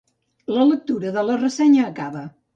La lectura de la ressenya acaba.